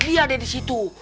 dia ada disitu